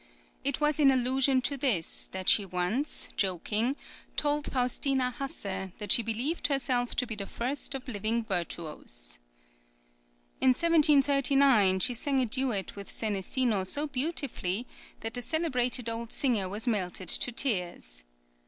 It was in allusion to this that she once, joking, told Faustina Hasse that she believed herself to be the first {VIENNA, 1762 WAGENSEIL.} (27) of living virtuose. In 1739 she sang a duet with Senesino so beautifully that the celebrated old singer was melted to tears.